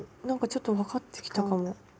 なんかちょっと分かってきたかも。